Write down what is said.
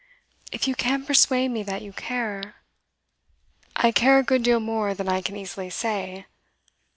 'If you can persuade me that you care ' 'I care a good deal more than I can easily say.